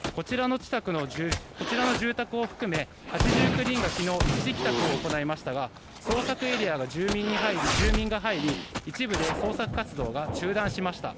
こちらの住宅を含め８９人が昨日一時帰宅を行いましたが捜索エリアに住民が入り一部で捜索活動が中断しました。